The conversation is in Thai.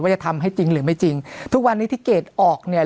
จะทำให้จริงหรือไม่จริงทุกวันนี้ที่เกรดออกเนี่ย